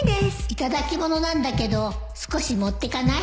頂き物なんだけど少し持ってかない？